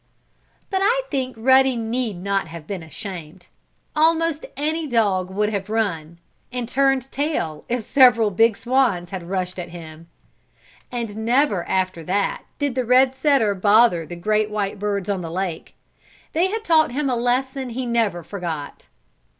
But I think Ruddy need not have been ashamed. Almost any dog would have run, and turned tail if several big swans had rushed at him. And never after that did the red setter bother the great white birds on the lake. They had taught him a lesson he never forgot.